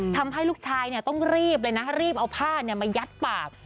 ทำให้ลูกชายต้องรีบเลยนะรีบเอาผ้ามายัดปาก